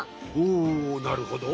おなるほど。